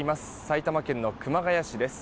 埼玉県の熊谷市です。